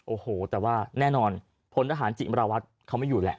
โอ้โหแต่ว่าแน่นอนพลทหารจิมราวัตรเขาไม่อยู่แหละ